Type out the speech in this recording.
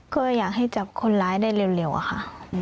ก็อยากให้จับคนร้ายได้เร็วอะค่ะ